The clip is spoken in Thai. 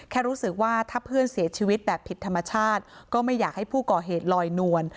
แค่รู้สึกว่าถ้าเพื่อนเสียชีวิตแบบผิดธรรมชาติก็ไม่อยากให้ผู้ก่อเหตุลอยนวล